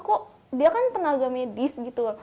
gak kenapa apa kok dia kan tenaga medis gitu